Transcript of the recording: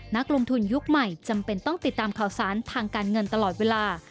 นักลงทุนยุคใหม่จำเป็นต้องติดตามข่าวสารทางการเงินตลอดเวลา